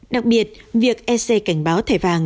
đặc biệt việc ese cảnh báo thẻ vàng